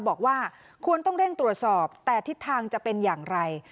บอกว่าควรต้องเร่งตรวจสอบแต่ทิศทางจะเป็นอย่างไร